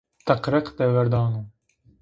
Teq-req deverdano